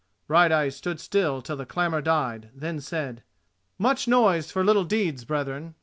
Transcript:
Brighteyes stood still till the clamour died, then said: "Much noise for little deeds, brethren.